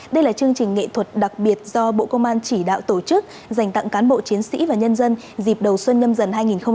đây là chương trình nghệ thuật đặc biệt do bộ công an chỉ đạo tổ chức dành tặng cán bộ chiến sĩ và nhân dân dịp đầu xuân nhâm dần hai nghìn hai mươi bốn